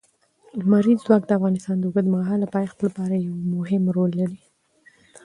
لمریز ځواک د افغانستان د اوږدمهاله پایښت لپاره یو مهم رول لري.